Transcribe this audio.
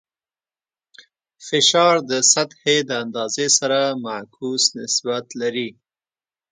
فشار د سطحې د اندازې سره معکوس نسبت لري.